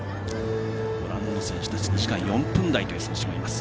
ご覧の選手たち、２時間４分台という選手もいます。